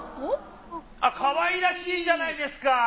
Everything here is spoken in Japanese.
かわいらしいじゃないですか！